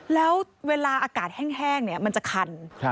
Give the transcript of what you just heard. แล้วเวลาอากาศแห้งมันจะคัน